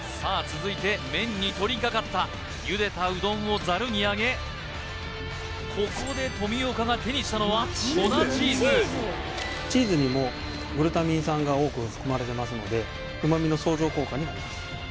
続いて麺に取りかかったゆでたうどんをざるにあげここで富岡が手にしたのは粉チーズチーズにもグルタミン酸が多く含まれてますので旨味の相乗効果になります